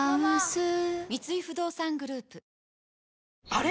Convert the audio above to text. あれ？